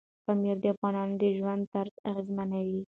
پامیر د افغانانو د ژوند طرز اغېزمنوي.